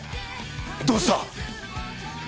どうした！？